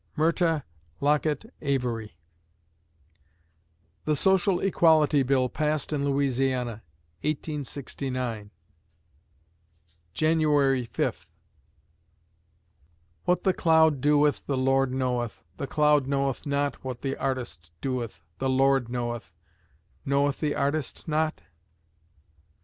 MYRTA LOCKETT AVARY The Social Equality Bill passed in Louisiana, 1869 January Fifth What the cloud doeth The Lord knoweth, The cloud knoweth not What the artist doeth, The Lord knoweth; Knoweth the artist not?